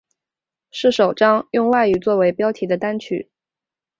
是首张用外语作为标题的单曲。